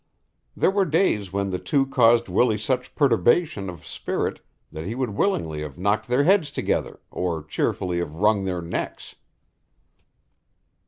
There were days when the two caused Willie such perturbation of spirit that he would willingly have knocked their heads together or cheerfully have wrung their necks.